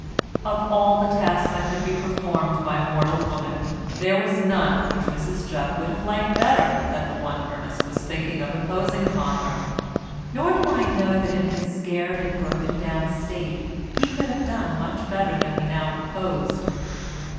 Of all tasks that could be performed by mortal woman there was none which Mrs Jupp would have liked better than the one Ernest was thinking of imposing upon her; nor do I know that in his scared and broken down state he could have done much better than he now proposed.